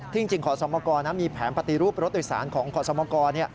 จริงขอสมกรมีแผนปฏิรูปรถโดยสารของขอสมกร